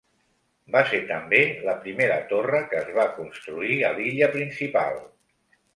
Va ser també la primera torre que es va construir a l'illa principal.